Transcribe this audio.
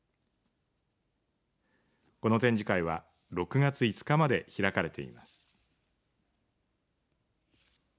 この展示会は６月５日まで開かれています。